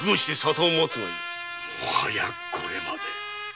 もはやこれまで。